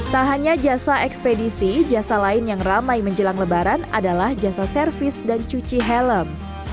tak hanya jasa ekspedisi jasa lain yang ramai menjelang lebaran adalah jasa servis dan cuci helm